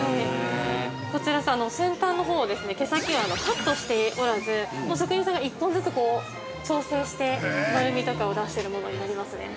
◆こちら、先端のほうを毛先をカットしておらず、職人さんが１本ずつ調整して、丸みとかを出しているものになりますね。